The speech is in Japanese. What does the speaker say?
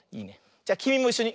じゃきみもいっしょに。